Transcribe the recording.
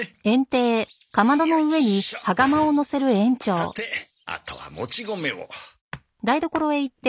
さてあとはもち米を。